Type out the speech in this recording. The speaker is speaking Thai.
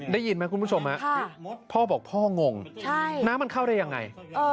ได้ยินไหมคุณผู้ชมพ่อบอกพ่องงน้ำมันเข้าได้ยังไง